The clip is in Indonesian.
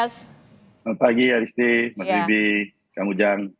selamat pagi adisti mbak ujang